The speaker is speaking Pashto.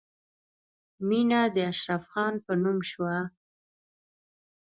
مینه د اشرف خان په نوم شوه